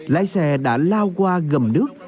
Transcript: lái xe đã lao qua gầm nước